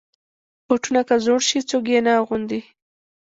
بوټونه که زوړ شي، څوک یې نه اغوندي.